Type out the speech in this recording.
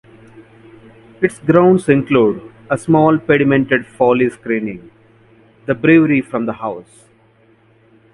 Its grounds include a small pedimented folly screening the brewery from the house.